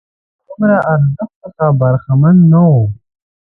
له دومره ارزښت څخه برخمن نه وو.